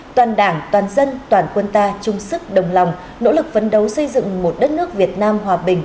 toàn đảng toàn dân toàn quân ta chung sức đồng lòng nỗ lực vấn đấu xây dựng một đất nước việt nam hòa bình